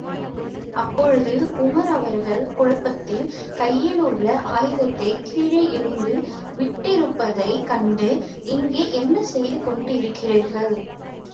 அப்பொழுது உமர் அவர்கள் குழப்பத்தில், கையிலுள்ள ஆயுதத்தைக் கீழே எறிந்து விட்டிருப்பதைக் கண்டு, இங்கே என்ன செய்து கொண்டிருக்கிறீர்கள்?